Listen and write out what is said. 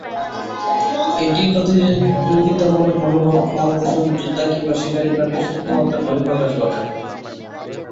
এটি প্রতিযোগিতামূলক মনোভাবের ফলাফলস্বরূপ যোদ্ধা কিংবা শিকারী প্রাণীর শক্তিমত্তার বহিঃপ্রকাশ ঘটায়।